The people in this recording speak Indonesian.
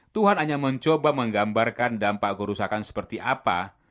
tuhan hanya mencoba menggambarkan dampak kerusakan seperti apa